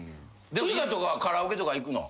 ウイカとかカラオケとか行くの？